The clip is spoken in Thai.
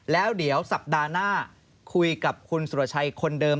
แล้วเดี๋ยวสัปดาห์หน้าคุยกับคุณสุรชัยคนเดิม